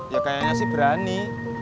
ya kayaknya sih berani